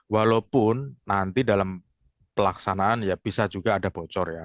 walaupun nanti dalam pelaksanaan ya bisa juga ada bocor ya